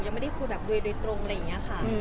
ใช่ค่ะยังไม่ได้คุยเลยตรงอะไรอย่างนี้ค่ะ